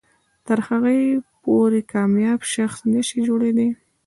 تر هغې پورې کامیاب شخص نه شئ جوړېدلی.